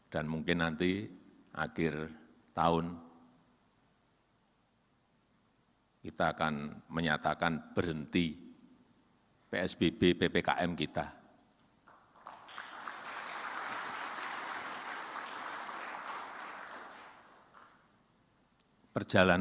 dan mungkin nanti akhir tahun kita akan menyatakan berhenti psbb ppkm kita